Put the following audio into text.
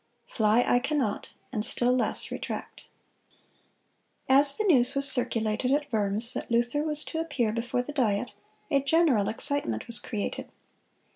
Fly I cannot, and still less retract."(199) As the news was circulated at Worms that Luther was to appear before the Diet, a general excitement was created.